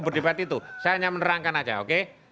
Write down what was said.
berdebat itu saya hanya menerangkan saja oke